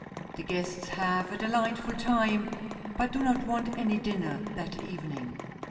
The guests have a delightful time—but do not want any dinner that evening.